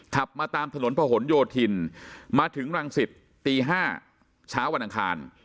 ขับมาตามถนนพะหนโยธินมาถึงรังสิตตี๕เช้าวันอังคาร